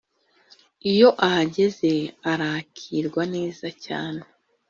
iyo ahageze arakirwa neza cyane